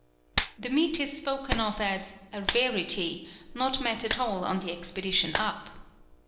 The meat is spoken of as "a Rarity," not met at all on the expedition up.